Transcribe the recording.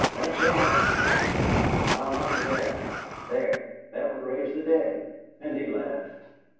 "Thanks so much!" he said. "I'll knock again. There! that would raise the dead!" And he laughed.